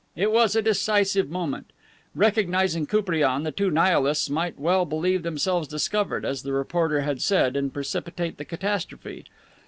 It was a decisive moment. Recognizing Koupriane, the two Nihilists might well believe themselves discovered, as the reporter had said, and precipitate the catastrophe.